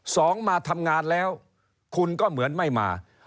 สองมาทำงานแล้วคุณก็เหมือนไม่มา